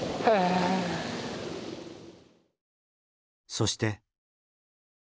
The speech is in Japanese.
そして。